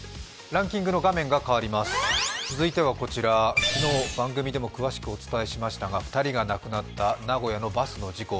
続いてはこちら昨日番組でも詳しくおつ絵しましたが２人が亡くなった名古屋のバスの事故。